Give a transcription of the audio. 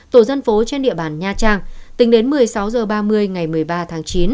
tổ dân phố trên địa bàn nha trang tính đến một mươi sáu h ba mươi ngày một mươi ba tháng chín